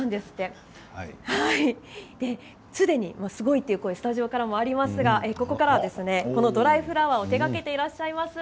すでにすごいという声がスタジオからもありますがここからはこのドライフラワーを手がけていらっしゃいます